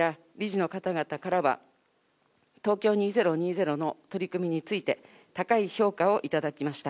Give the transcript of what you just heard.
バッハ会長や理事の方々からは、東京２０２０の取り組みについて、高い評価を頂きました。